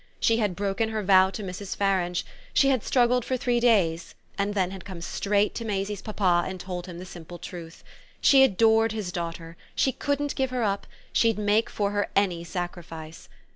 She had broken her vow to Mrs. Farange; she had struggled for three days and then had come straight to Maisie's papa and told him the simple truth. She adored his daughter; she couldn't give her up; she'd make for her any sacrifice.